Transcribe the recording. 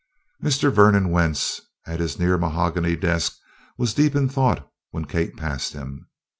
Mr. Vernon Wentz at his near mahogany desk was deep in thought when Kate passed him.